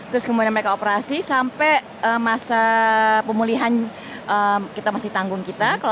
terus kemudian mereka operasi sampai masa pemulihan kita masih tanggung kita